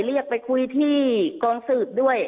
เรียกไปคุยที่กองสืบด้วย